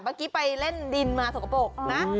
เมื่อกี้ไปเล่นดินมาสกปรกนะ